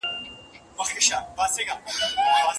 که زده کوونکي املا ولیکي.